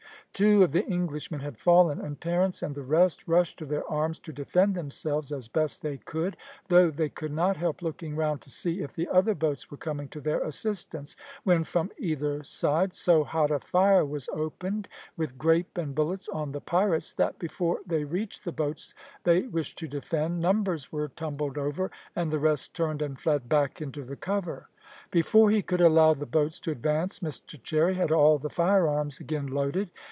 Two of the Englishmen had fallen, and Terence and the rest rushed to their arms to defend themselves as best they could, though they could not help looking round to see if the other boats were coming to their assistance, when from either side so hot a fire was opened, with grape and bullets, on the pirates, that before they reached the boats they wished to defend, numbers were tumbled over, and the rest turned and fled back into the cover. Before he could allow the boats to advance, Mr Cherry had all the firearms again loaded.